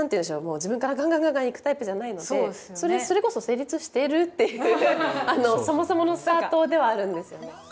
自分からガンガンガンガン行くタイプじゃないのでそれこそ「成立している？」っていうそもそものスタートではあるんですよね。